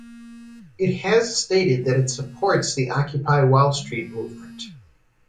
It has stated that it supports the Occupy Wall Street movement.